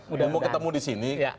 kamu ketemu disini